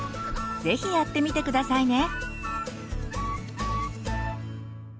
是非やってみて下さいね。